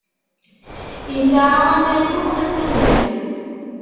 Isɛa amalu, asammer.